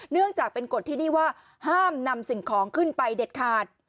เนื่องจากเป็นกฎที่นี่ว่าห้ามนำสิ่งของขึ้นไปเด็ดขาด